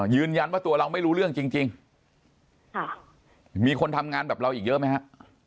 ยืนยันว่าตัวเราไม่รู้เรื่องจริงค่ะมีคนทำงานแบบเราอีกเยอะไหมฮะ